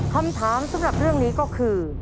คำถามสำหรับเรื่องนี้ก็คือ